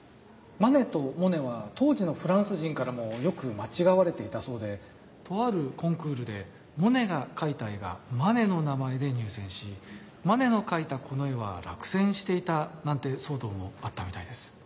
マネとモネは当時のフランス人からもよく間違われていたそうでとあるコンクールでモネが描いた絵がマネの名前で入選しマネの描いたこの絵は落選していたなんて騒動もあったみたいです。